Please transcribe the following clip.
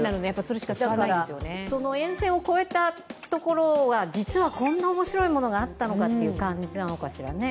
だから、その沿線を超えたところが実はこんなおもしろいものがあったのかっていう感じなのかしらね。